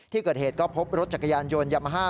ที่เกิดเหตุก็พบรถจักรยานยนต์ยามาฮ่า